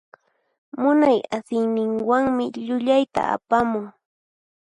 Munay asiyninwanmi llullayta apamun.